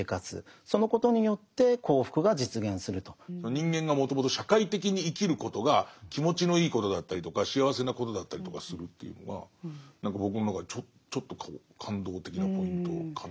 人間がもともと社会的に生きることが気持ちのいいことだったりとか幸せなことだったりとかするというのが僕の中でちょっと感動的なポイントかな。